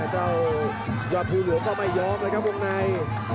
เจ้ายอดภูหลวงก็ไม่ยอมเลยครับวงใน